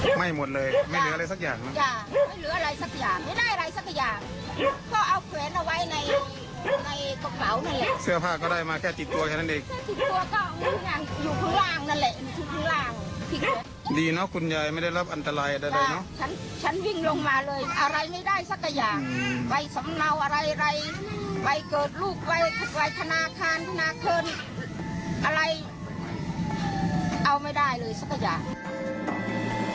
ไฟไฟขนาดทานขนาดเคินอะไรเอาไม่ได้เลยสักอย่าง